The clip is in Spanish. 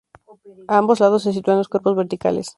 A ambos lados se sitúan los cuerpos verticales.